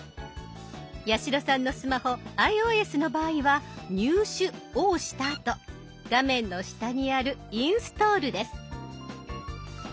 八代さんのスマホｉＯＳの場合は「入手」を押したあと画面の下にある「インストール」です。